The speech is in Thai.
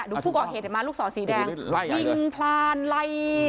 ดูผู้ก่อเหตุอ่ะมาลูกศาลสีแดงไหล่กันเลยยิงผ่านไหล